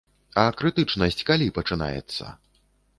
А крытычнасць калі пачынаецца?